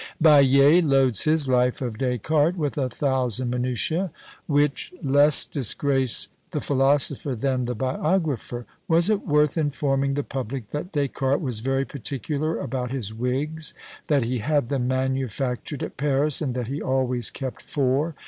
Baillet loads his life of Descartes with a thousand minutiÃḊ, which less disgrace the philosopher than the biographer. Was it worth informing the public, that Descartes was very particular about his wigs; that he had them manufactured at Paris; and that he always kept four?